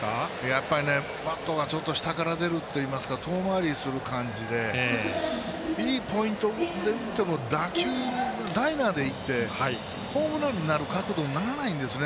やっぱりバットがちょっと下から出るといいますか遠回りする感じでいいポイントで打っても打球がライナーでいってホームランになる角度にならないんですね。